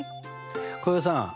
浩平さん。